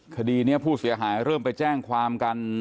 คดีนี้ผู้เสียหายเริ่มไปแจ้งความกัน